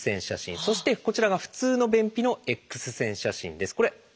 そしてこちらが普通の便秘のＸ線写真です。